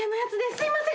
すいません。